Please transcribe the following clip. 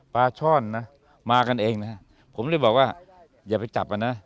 ช่อนนะมากันเองนะผมเลยบอกว่าอย่าไปจับกันนะ